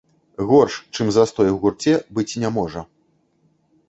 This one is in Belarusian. Горш, чым застой у гурце, быць не можа.